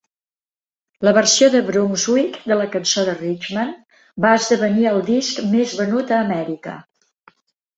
La versió de Brunswick de la cançó de Richman va esdevenir el disc més venut a Amèrica.